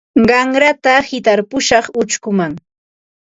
Qanrata hitarpushaq uchkuman.